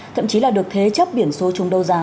thậm chí là được thế chấp biển số chung đấu giá